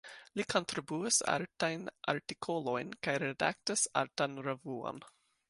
Li kontribuis artajn artikolojn kaj redaktis artan revuon.